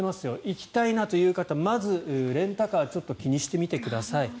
行きたいなという方はまずレンタカーをちょっと気にしてみてください。